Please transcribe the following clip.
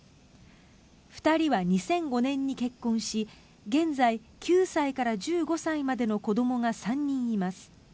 ２人は２００５年に結婚し現在、９歳から１５歳までの子どもが３人います。